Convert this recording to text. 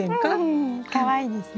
うんかわいいですね。